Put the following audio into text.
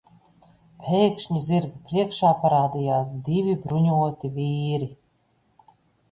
Pēkšņi zirga priekšā parādījās divi bruņoti vīri.